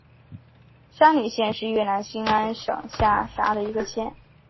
仙侣县是越南兴安省下辖的一个县。